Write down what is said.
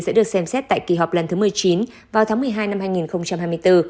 vào tháng một mươi hai năm hai nghìn hai mươi bốn